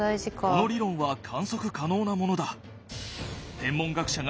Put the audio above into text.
この理論は観測可能なものだ。